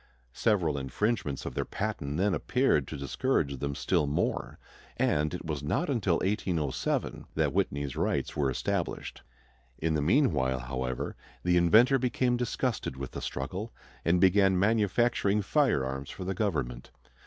Several infringements of their patent then appeared to discourage them still more, and it was not until 1807 that Whitney's rights were established. In the meanwhile, however, the inventor became disgusted with the struggle and began manufacturing firearms for the government.